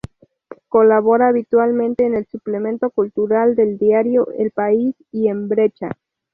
Colabora habitualmente en el suplemento Cultural del diario El País y en Brecha.